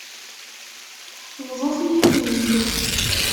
Bḍut-iyi-ten-id.